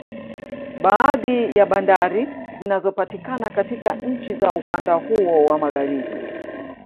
Baadhi ya bandari zinazopatikana katika nchi za ukanda huo wa Magharibi